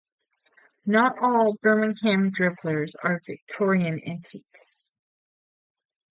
Not all Birmingham Dribblers are Victorian antiques.